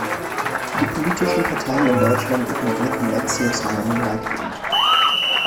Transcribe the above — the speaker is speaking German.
Die politischen Parteien in Deutschland ignorierten Lepsius’ Mahnungen weitgehend.